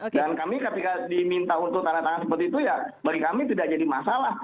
dan kami ketika diminta untuk tanda tangan seperti itu ya bagi kami tidak jadi masalah